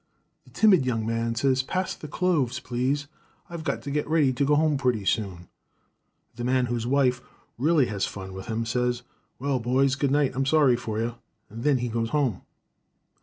The timid young man says, 'Pass the cloves, please. I've got to get ready to go home pretty soon.' The man whose wife really has fun with him says, 'Well, boys, good night. I'm sorry for you.' Then he goes home.